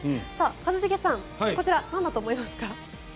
一茂さん、こちらなんだと思いますか？